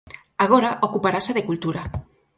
Agora ocuparase de Cultura.